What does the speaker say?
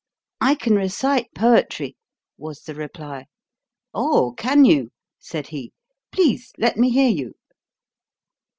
"I can recite poetry," was the reply. "Oh, can you?" said he. "Please let me hear you."